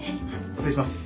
失礼します。